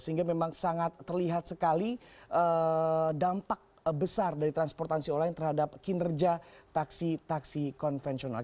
sehingga memang sangat terlihat sekali dampak besar dari transportasi online terhadap kinerja taksi taksi konvensional